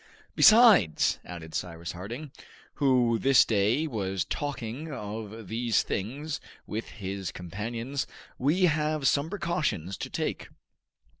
"Besides," added Cyrus Harding, who this day was talking of these things with his companions, "we have some precautions to take."